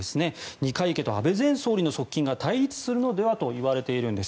二階家と安倍前総理の側近が対立するのではといわれているんです。